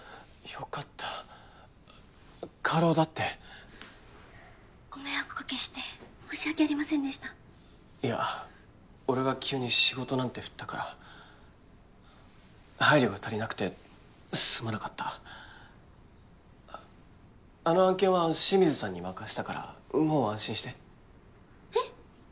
よかった過労だってご迷惑おかけして申し訳ありませんでしたいや俺が急に仕事なんて振ったから配慮が足りなくてすまなかったあの案件は清水さんに任せたからもう安心してえっ？